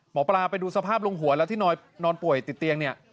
หมอปลาไปดูสภาพลุงหัวแล้วที่นอนป่วยติดเตียงเนี่ย